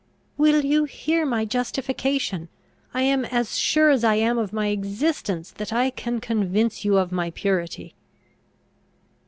"Will you hear my justification? I am as sure as I am of my existence, that I can convince you of my purity."